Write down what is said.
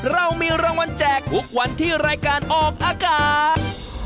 เรามีรางวัลแจกทุกวันที่รายการออกอากาศ